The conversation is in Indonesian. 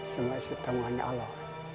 semua istimewa allah